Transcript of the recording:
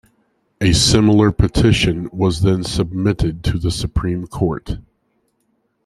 A similar petition was then submitted to the Supreme Court.